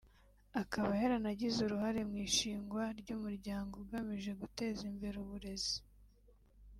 akaba yaranagize uruhare mu ishingwa ry’umuryango ugamije guteza imbere uburezi